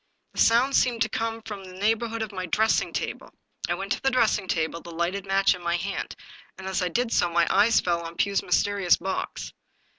The sound seemed to come from the neighborhood of my dressing table. I went to the dressing table, the lighted match in my hand, and, as I did so, my eyes fell on Pugh's mysterious box.